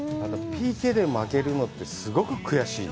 ＰＫで負けるのって、すごく悔しい。